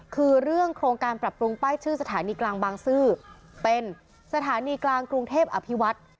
คือเรื่องโครงการปรับปรุงป้ายชื่อสถานีกลางบางซื่อเป็นสถานีกลางกรุงเทพอภิวัฒน์